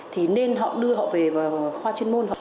thì nên họ đưa họ về khoa chuyên môn